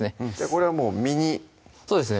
これはもう身にそうですね